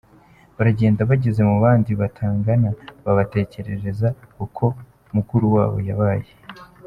Baragenda bageze mu bandi Batangana, babatekerereza uko mukuru wabo yabaye.